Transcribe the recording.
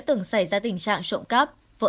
từng xảy ra tình trạng trộm cắp vợ